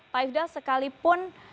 pak ilda sekalipun